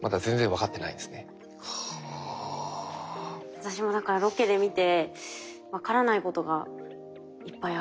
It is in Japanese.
私もだからロケで見て分からないことがいっぱいある。